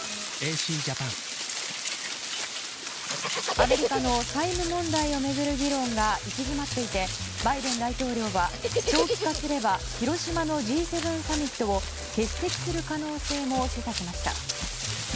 アメリカの債務問題を巡る議論が行き詰まっていてバイデン大統領は長期化すれば広島のＧ７サミットを欠席する可能性も示唆しました。